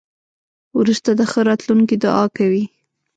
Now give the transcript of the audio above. ورور ته د ښه راتلونکي دعا کوې.